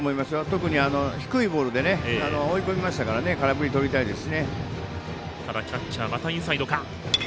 特に、低いボールで追い込みましたから空振りとりたいです。